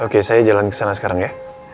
oke saya jalan kesana sekarang ya